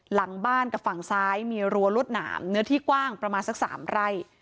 หลังบ้านกับฝั่งซ้ายมีรั้วรวดหนามเนื้อที่กว้างประมาณสัก๓ไร่